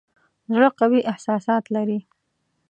زړه قوي احساسات لري.